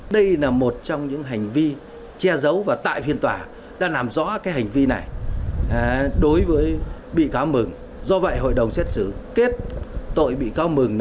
quá trình khám nghiệm chiếc xe của anh dương công cường